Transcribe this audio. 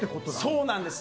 そうなんです。